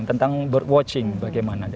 tentang bird watching bagaimana